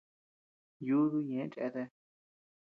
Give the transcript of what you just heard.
Yudú ñeʼë cheatea.